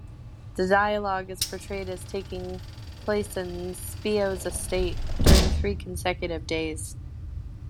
The dialogue is portrayed as taking place in Scipio's estate, during three consecutive days.